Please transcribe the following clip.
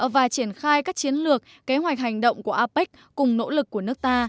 và triển khai các chiến lược kế hoạch hành động của apec cùng nỗ lực của nước ta